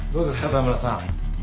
田村さん。